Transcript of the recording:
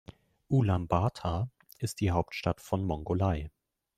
Ulaanbaatar ist die Hauptstadt von Mongolei.